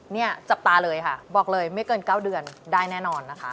เนี่ยจับตาเลยค่ะบอกเลยไม่เกิน๙เดือนได้แน่นอนนะคะ